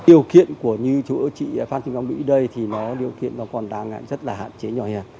điều kiện của như chỗ chị phát thị ngọc mỹ đây thì nó điều kiện nó còn đang rất là hạn chế nhỏ nhẹ